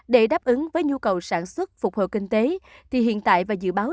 để đáp ứng với nhu cầu sản xuất phục hồi kinh tế thì hiện tại và dự báo